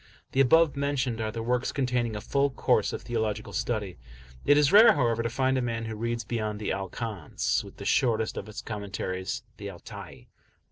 The above mentioned are the works containing a full course of theological study; it is rare, however, to find a man who reads beyond the "Al Kanz," with the shortest of its commentaries, the "Al Tai."